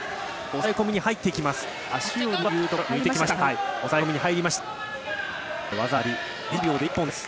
抑え込みに入っていきます。